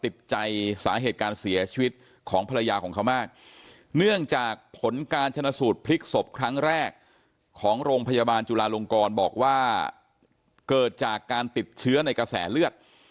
บอกว่าเกิดจากการติดเชื้อในกระแสเลือด